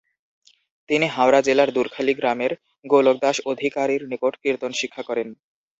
তিনি হাওড়া জেলার ধুরখালি গ্রামের গোলোকদাস অধিকারীর নিকট কীর্তন শিক্ষা করেন।